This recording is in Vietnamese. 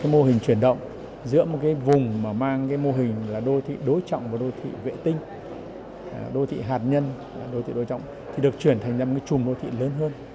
mô hình chuyển động giữa một vùng mang mô hình đối trọng và đối thị vệ tinh đối thị hạt nhân đối thị đối trọng được chuyển thành một chùm đối thị lớn hơn